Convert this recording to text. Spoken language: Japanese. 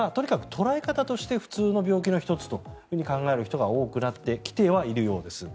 捉え方として普通の病気の１つと考える人が多くはなってきているようです。